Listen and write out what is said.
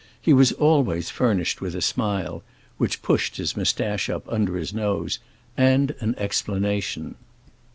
He was always furnished with a smile (which pushed his moustache up under his nose) and an explanation.